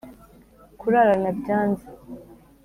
kurarana byanze